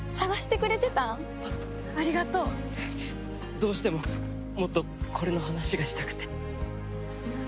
どうしてももっとこれの話がしたくて。